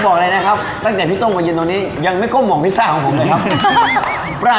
บอกเลยนะครับตั้งแต่พี่โต้งมาเย็นตอนนี้ยังไม่ก้มหมองพิซซ่าของผมเลยครับ